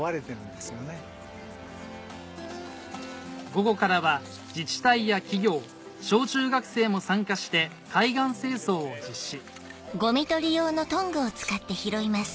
午後からは自治体や企業小中学生も参加して海岸清掃を実施